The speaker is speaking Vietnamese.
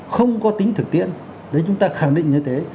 không có tính thực tiễn để chúng ta khẳng định như thế